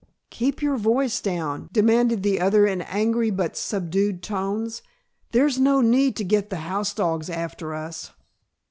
"Keep your voice down," demanded the other in angry but subdued tones. "There's no need to get the house dogs after us."